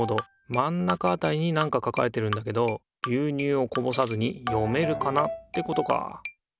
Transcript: まん中あたりになんか書かれてるんだけど「牛乳をこぼさずに、読めるかな？」ってことか。